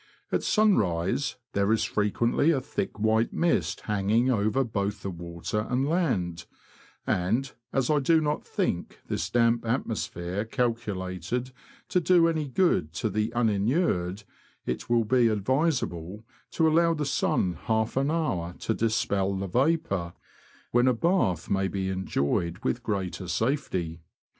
At sunrise, there is frequently a thick white mist hanging over both the water and land, and, as I do not think this damp atmosphere cal culated to do any good to the uninured, it will be advisable to allow the sun half an hour to dispel the vapour, when a bath may be enjoyed with greater safety.